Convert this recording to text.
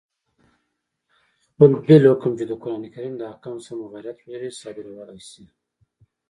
خپل بېل حکم، چي د قرآن کریم د احکامو سره مغایرت ولري، صادرولای سي.